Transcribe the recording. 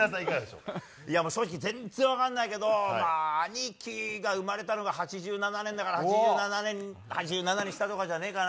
正直、全然分からないけど、まあ、兄貴が生まれたのが８７年だから、８７年、８７にしたとかじゃないかな。